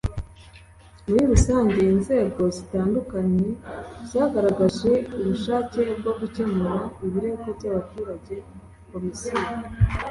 muri rusange inzego zitandukanye zagaragaje ubushake bwo gukemura ibirego by abaturage komisiyo